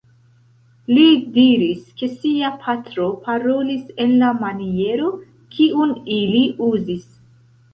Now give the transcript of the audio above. Li diris ke sia patro parolis en la maniero kiun ili uzis.